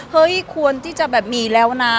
ควรที่จะแบบมีแล้วนะ